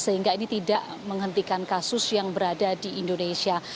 sehingga ini tidak menghentikan kasus yang berada di indonesia